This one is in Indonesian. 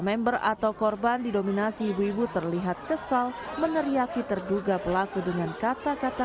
member atau korban didominasi ibu ibu terlihat kesal meneriaki terduga pelaku dengan kata kata